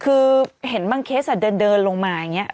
คือเห็นบางเคสเดินลงมาอย่างนี้